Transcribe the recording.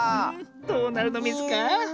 どうなるのミズか？